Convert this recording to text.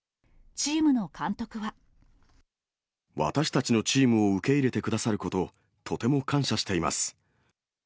私たちのチームを受け入れてくださること、とても感謝しています。